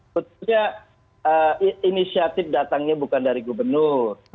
sebetulnya inisiatif datangnya bukan dari gubernur